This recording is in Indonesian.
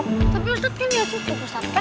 tapi ustadz kan gak cukup ustadz